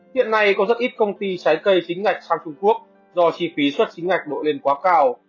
hiện nay có rất ít công ty trái cây xín ngạch sang trung quốc do chi phí xuất chính ngạch nổi lên quá cao